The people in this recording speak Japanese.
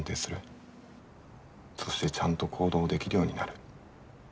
そしてちゃんと行動できるようになる。